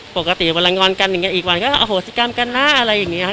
ปกติเวลางวันกันอีกวันก็โอ้โหสิกรรมกันนะอะไรอย่างนี้ครับ